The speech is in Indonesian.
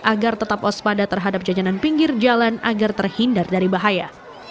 agar tetap waspada terhadap jajanan pinggir jalan agar terhindar dari bahaya